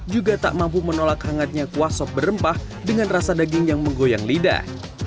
juga tak mampu menolak hangatnya kuah sop berempah dengan rasa daging yang menggoyang lidah